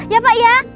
ya pak ya